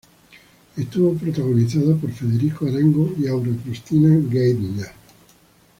Estuvo protagonizada por Federico Arango y Aura Cristina Geithner.